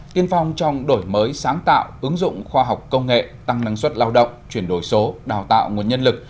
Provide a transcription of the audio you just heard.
tiên phong trong đổi mới sáng tạo ứng dụng khoa học công nghệ tăng năng suất lao động chuyển đổi số đào tạo nguồn nhân lực